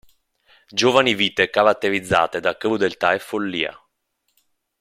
Giovani vite caratterizzate da crudeltà e follia.